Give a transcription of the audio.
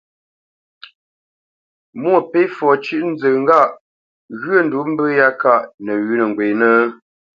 Mwôpéfɔ cʉ́ʼnzə ŋgâʼ ghyə̂ ndǔ mbə̂ yá káʼ nəwʉ̌ nə́ ghwenə́ ?